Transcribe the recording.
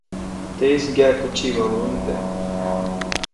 Teʼis ŋgyaʼkutsyibabäʼuŋdeʼe.